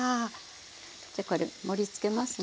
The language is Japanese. じゃこれ盛りつけますね。